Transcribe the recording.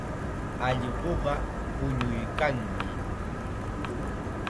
Allquqa puñuykanmi.